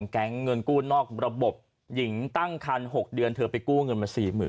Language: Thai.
แก๊งเงินกู้นอกระบบหญิงตั้งคัน๖เดือนเธอไปกู้เงินมา๔๐๐๐